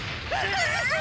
あ！